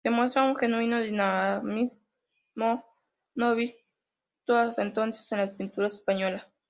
Se muestra un genuino dinamismo no visto hasta entonces en la pintura española.